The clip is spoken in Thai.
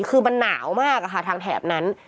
คือมันหนาวมากอะค่ะทางแถบนั้น